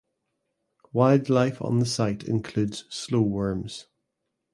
Wildlife on the site includes slow worms.